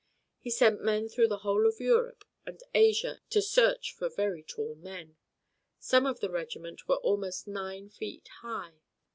He sent men through the whole of Europe and Asia to search for very tall men. Some of the regiment were almost nine feet high.